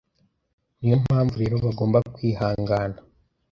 niyo mpamvu rero bagomba kwihangana